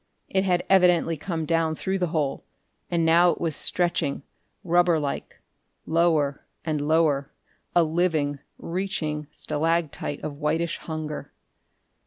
It had evidently come down through the hole; and now it was stretching, rubber like, lower and lower, a living, reaching stalactite of whitish hunger.